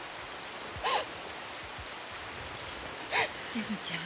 純ちゃん。